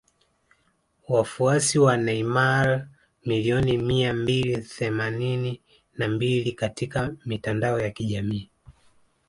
Wafuasi wa Neymar milioni mia mbili themanini na mbili katika mitandao ya kijamii